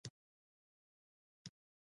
عرفاني ادبیات د سراج احمد حبیبي اثر دی.